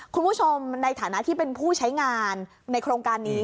คุณผู้ชมในฐานะที่เป็นผู้ใช้งานในโครงการนี้